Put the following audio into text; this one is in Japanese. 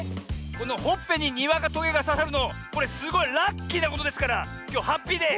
このほっぺににわかとげがささるのこれすごいラッキーなことですからきょうハッピーデー。